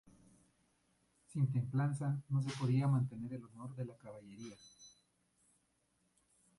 Sin templanza no se podía mantener el honor de la caballería.